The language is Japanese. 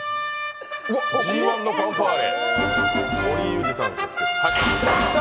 ＧⅠのファンファーレ。